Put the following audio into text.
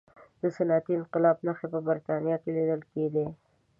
د صنعتي انقلاب نښې په برتانیا کې لیدل کېدې.